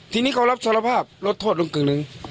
ทีนี้เขารับสารภาพลดโทษลงกึ่งหนึ่ง